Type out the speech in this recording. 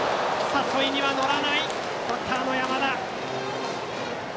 誘いには乗らないバッターの山田。